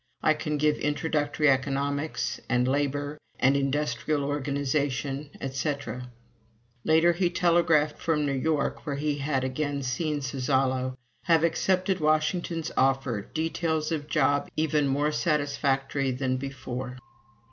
I can give Introductory Economics, and Labor, and Industrial Organization, etc." Later, he telegraphed from New York, where he had again seen Suzzallo: "Have accepted Washington's offer. ... Details of job even more satisfactory than before."